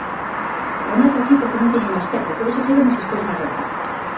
Remato aquí porque non teño máis tempo, pero seguiremos despois na réplica.